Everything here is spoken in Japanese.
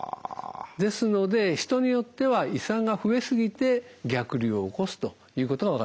ですので人によっては胃酸が増え過ぎて逆流を起こすということが分かっています。